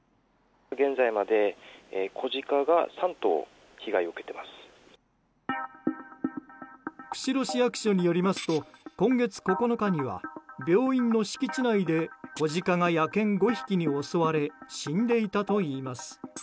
釧路市役所によりますと今月９日には病院の敷地内で子ジカが野犬５匹に襲われ死んでいたといいます。